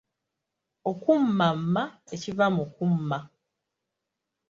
Okummamma ekiva mu kumma.